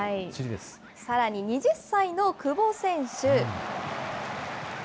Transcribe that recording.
さらに２０歳の久保選手。